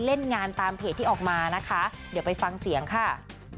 เล่นงานตามเพจที่ออกมานะคะเดี๋ยวไปฟังเสียงค่ะ